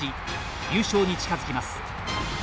優勝に近づきます。